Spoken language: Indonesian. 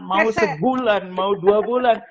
mau sebulan mau dua bulan